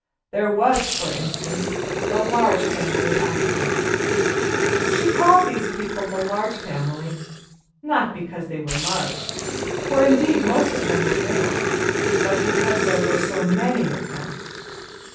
There was, for instance, the Large Family opposite. She called these people the Large Family not because they were large, for indeed most of them were little, but because there were so many of them.